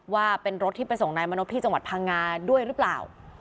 ว่าเป็นรถที่ไปส่งนายมนพที่จังหวัดพังงาด้วยหรือเปล่า